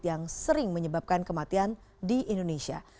yang sering menyebabkan kematian di indonesia